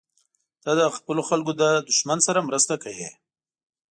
ته د خپلو خلکو له دښمن سره مرسته کوې.